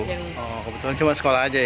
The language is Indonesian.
oh kebetulan cuma sekolah aja ya